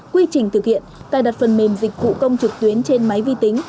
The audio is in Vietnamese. quy trình thực hiện cài đặt phần mềm dịch vụ công trực tuyến trên máy vi tính